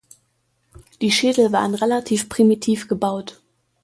Die Schädel waren relativ primitiv gebaut.